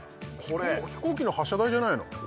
飛行機の発射台じゃないの？